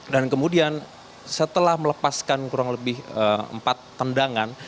dan kemudian setelah melepaskan kurang lebih empat tendangan